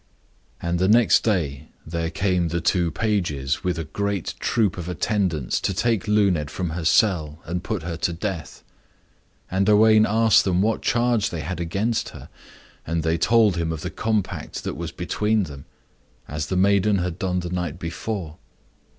And the next day there came the two pages with a great troop of attendants to take Luned from her cell, and put her to death. And Owain asked them what charge they had against her. And they told him of the compact that was between them; as the maiden had done the night before.